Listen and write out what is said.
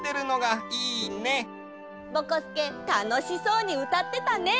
ぼこすけたのしそうにうたってたね！